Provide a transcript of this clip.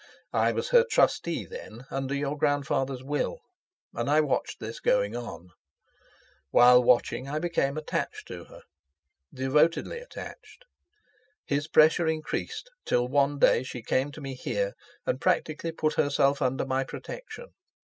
I was her trustee then, under your Grandfather's Will, and I watched this going on. While watching, I became attached to her, devotedly attached. His pressure increased, till one day she came to me here and practically put herself under my protection.